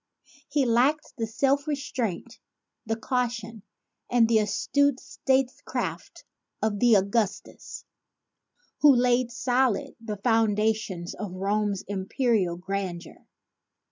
He lacked the self restraint, the caution and the astute statecraft of the Au gustus who laid solid the foundations of Rome's imperial grandeur.